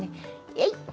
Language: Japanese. えいっ！